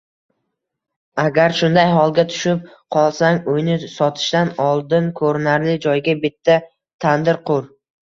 Agar shunday holga tushib qolsang, uyni sotishdan oldin ko'rinarli joyga bitta tandir qur